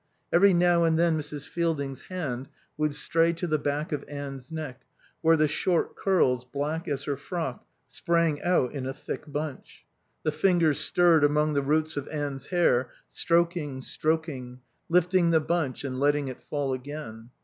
Every now and then Mrs. Fielding's hand would stray to the back of Anne's neck, where the short curls, black as her frock, sprang out in a thick bunch. The fingers stirred among the roots of Anne's hair, stroking, stroking, lifting the bunch and letting it fall again.